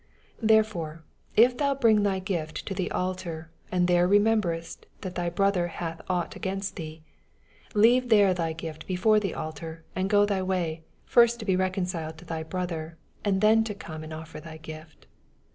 28 Therefore if thou bring thy gift to the aliar, and there rememberest that thy brother hath ought against thee ; 24 Leave there thy gift before the altar, and go tny way ; first be recon ciled to thy brother, and then come and offer thy gift.